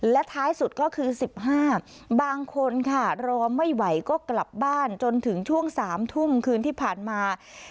และท้ายสุดก็คือ๑๕บางคนค่ะรอไม่ไหวก็กลับบ้านจนถึงช่วง๓ทุ่มคืนที่ผ่านมา